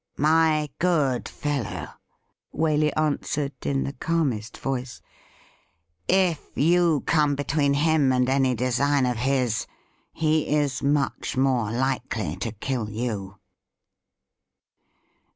' My good fellow,' Waley answered, in the calmest voicsj '.if you come between him and any design of his, he is much more likely to kill you.'